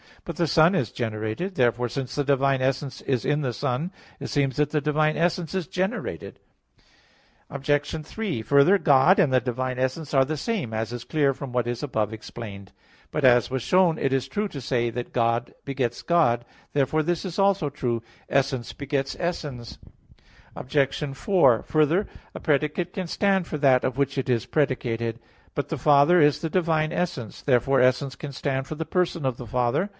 But the Son is generated. Therefore since the divine essence is in the Son, it seems that the divine essence is generated. Obj. 3: Further, God and the divine essence are the same, as is clear from what is above explained (Q. 3, A. 3). But, as was shown, it is true to say that "God begets God." Therefore this is also true: "Essence begets essence." Obj. 4: Further, a predicate can stand for that of which it is predicated. But the Father is the divine essence; therefore essence can stand for the person of the Father.